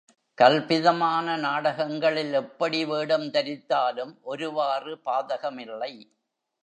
கல்பிதமான நாடகங்களில் எப்படி வேடம் தரித்தாலும் ஒருவாறு பாதகமில்லை.